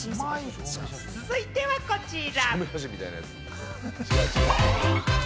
続いてはこちら！